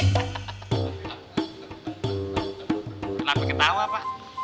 kenapa ketawa pak